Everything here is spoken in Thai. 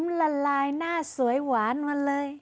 ละลายหน้าสวยหวานมาเลย